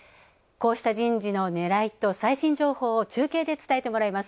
こうした人事のねらいと最新情報を中継で伝えてもらいます。